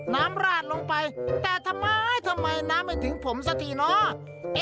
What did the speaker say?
ราดลงไปแต่ทำไมทำไมน้ำไม่ถึงผมสักทีเนาะ